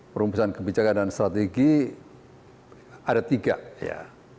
perumusan kebijakan dan strategi ada tiga ya